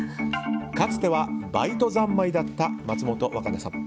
かつては、バイト三昧だった松本若菜さん。